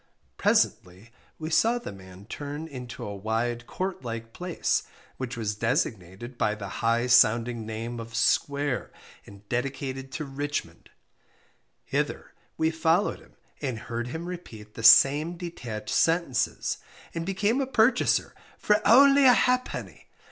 _ Presently we saw the man turn into a wide court like place, which was designated by the high sounding name of "SQUARE," and dedicated to RICHMOND; hither we followed him, and heard him repeat the same detached sentences, and became a purchaser for _only a ha'penny!